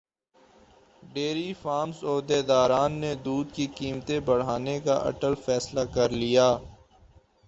dairy farms عہدیداران نے دودھ کی قیمتیں بڑھانے کا اٹل فیصلہ کرلیا